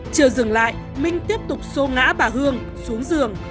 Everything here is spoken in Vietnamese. chưa dừng lại minh tiếp tục xô ngã bà hương xuống giường